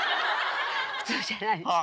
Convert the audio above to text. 普通じゃないでしょ。